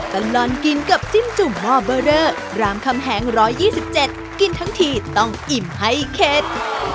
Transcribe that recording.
ตลอดกินกับจิ้มจุ่มหม้อเบอร์เดอร์รามคำแหง๑๒๗กินทั้งทีต้องอิ่มให้เข็ด